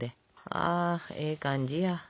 あええ感じや。